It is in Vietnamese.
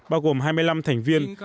bao gồm hai mươi năm thành viên